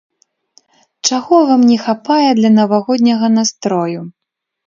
Чаго вам не хапае для навагодняга настрою?